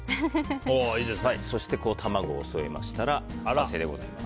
そして、卵を添えましたら完成でございます。